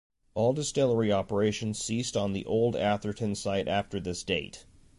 All distillery operations ceased on the old Atherton site after this date.